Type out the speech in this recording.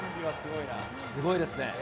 すごいですね。